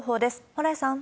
蓬莱さん。